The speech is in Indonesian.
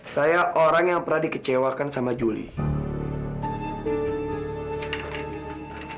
saya orang yang pernah dikecewakan sama julie